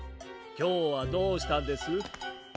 きょうはどうしたんです？